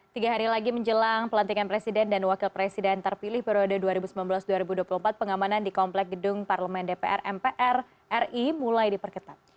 tiga hari lagi menjelang pelantikan presiden dan wakil presiden terpilih periode dua ribu sembilan belas dua ribu dua puluh empat pengamanan di komplek gedung parlemen dpr mpr ri mulai diperketat